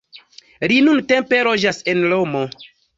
Li nuntempe loĝas en Romo.